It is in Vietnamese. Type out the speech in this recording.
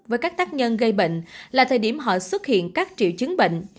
với các tác nhân gây bệnh là thời điểm họ xuất hiện các triệu chứng bệnh